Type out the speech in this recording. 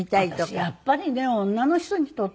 私やっぱりね女の人にとってね